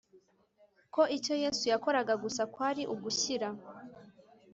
ko icyo yesu yakoraga gusa kwari ugushyira